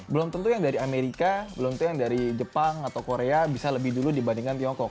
belum tentu yang dari amerika belum tentu yang dari jepang atau korea bisa lebih dulu dibandingkan tiongkok